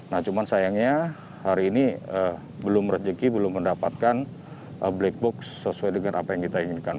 nah cuman sayangnya hari ini belum rezeki belum mendapatkan black box sesuai dengan apa yang kita inginkan